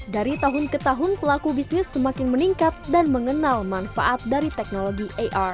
dari tahun ke tahun pelaku bisnis semakin meningkat dan mengenal manfaat dari teknologi ar